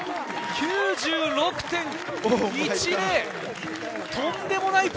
９６．１０！